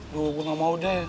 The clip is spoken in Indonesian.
duh gue gak mau deh